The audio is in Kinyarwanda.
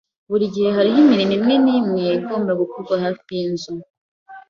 Burigihe hariho imirimo imwe n'imwe igomba gukorwa hafi yinzu.